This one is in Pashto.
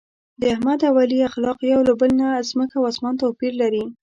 د احمد او علي اخلاق یو له بل نه ځمکه او اسمان توپیر لري.